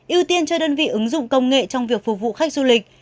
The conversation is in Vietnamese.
ưu tiên cho đơn vị ứng dụng công nghệ trong việc phục vụ khách du lịch